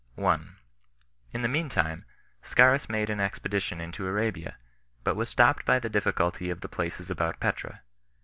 1. In the mean time, Scaurus made an expedition into Arabia, but was stopped by the difficulty of the places about Petra.